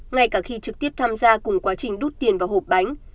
ngay cả khi trực tiếp tham gia cùng quá trình rút tiền vào hộp bánh